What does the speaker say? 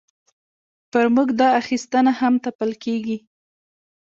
پر موږ دا اخیستنه هم تپل کېږي.